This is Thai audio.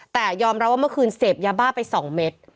แต่ยอมรับว่าเมื่อคืนเสพยาบ้าไป๒เม็ด